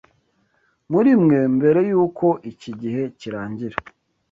muri mwe mbere y’uko iki gihe kirangira